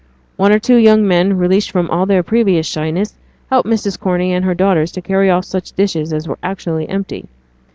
One or two young men, released from all their previous shyness, helped Mrs. Corney and her daughters to carry off such dishes as were actually empty.